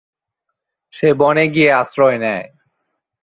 সে বনে গিয়ে আশ্রয় নেয়।